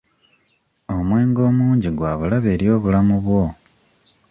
Omwenge omungi gwa bulabe eri obulamu bwo.